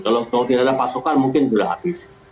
kalau tidak ada pasokan mungkin sudah habis